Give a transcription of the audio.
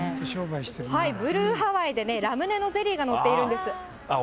ブルーハワイでね、ラムネのゼリーが載っているんです。